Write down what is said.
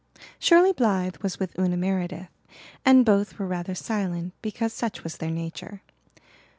Shirley Blythe was with Una Meredith and both were rather silent because such was their nature.